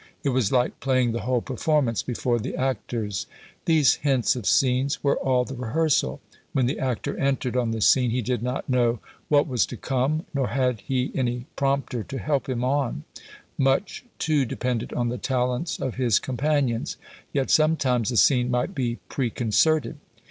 It was like playing the whole performance before the actors. These hints of scenes were all the rehearsal. When the actor entered on the scene he did not know what was to come, nor had he any prompter to help him on; much, too, depended on the talents of his companions; yet sometimes a scene might be preconcerted.